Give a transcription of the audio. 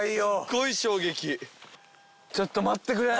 ちょっと待ってくれ。